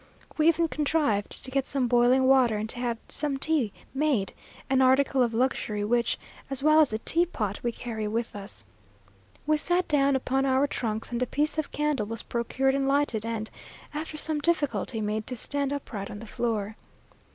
We even contrived to get some boiling water and to have some tea made an article of luxury which, as well as a teapot, we carry with us. We sat down upon our trunks, and a piece of candle was procured and lighted, and, after some difficulty, made to stand upright on the floor.